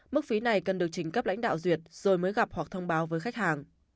mức phí này cần được trình cấp lãnh đạo duyệt rồi mới gặp hoặc thông báo với khách hàng